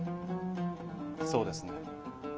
そうですね？